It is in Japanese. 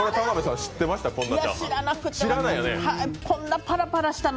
知らなくて、私。